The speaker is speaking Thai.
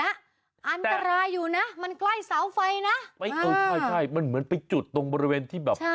อันตรายอยู่นะมันใกล้เสาไฟนะไม่เออใช่ใช่มันเหมือนไปจุดตรงบริเวณที่แบบ